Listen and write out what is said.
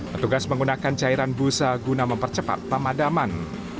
petugas menggunakan cairan busa guna mempercepat pemadaman